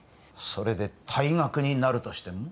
それで退学になるとしても？